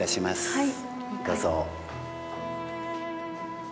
はい。